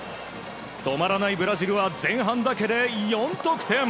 止まらないブラジルは前半だけで４得点。